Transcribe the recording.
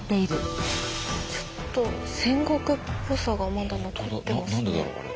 ちょっと戦国っぽさがまだ残ってますね。